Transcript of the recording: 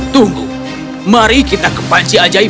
tunggu mari kita ke panci ajaib